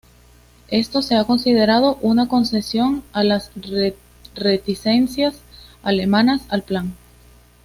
Esto se ha considerado una concesión a las reticencias alemanas al plan.